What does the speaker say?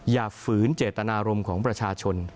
ฝืนเจตนารมณ์ของประชาชน